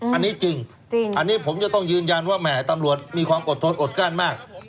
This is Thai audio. อันนี้จริงอันนี้ผมจะต้องยืนยันว่าแหมตำรวจมีความอดทนอดก้านมาก